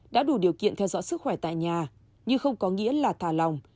đã đủ điều kiện theo dõi sức khỏe tại nhà nhưng không có nghĩa là thả lòng